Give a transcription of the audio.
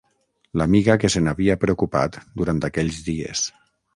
L’amiga que se n’havia preocupat durant aquells dies.